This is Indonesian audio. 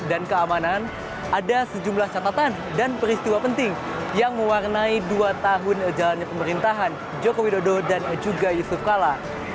keamanan ada sejumlah catatan dan peristiwa penting yang mewarnai dua tahun jalannya pemerintahan joko widodo dan juga yusuf kala